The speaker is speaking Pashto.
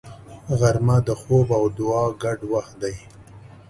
غرمه د خوب او دعا ګډ وخت دی